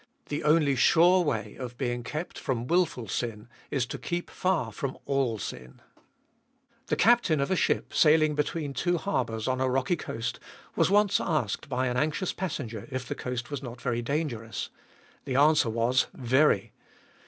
The only sure way of being kept from wilful sin is to keep far from all sin. A captain of a ship, sailing between two harbours on a rocky coast, was once asked by an anxious passenger if the coast was not very dangerous. The answer was, Very.